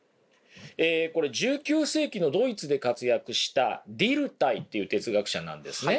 これ１９世紀のドイツで活躍したディルタイという哲学者なんですね。